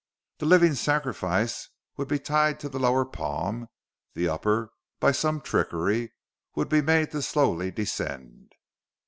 The living sacrifice would be tied to the lower palm; the upper, by some trickery, would be made to slowly descend....